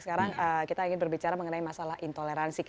sekarang kita ingin berbicara mengenai masalah intoleransi